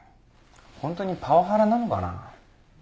本当にパワハラなのかな。